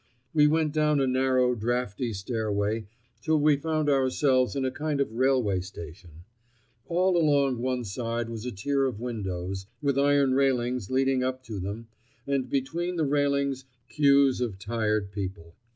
We went down a narrow, draughty stairway till we found ourselves in a kind of railway station. All along one side was a tier of windows, with iron railings leading up to them, and between the railings queues of tired people.